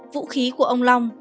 vũ khí của ông long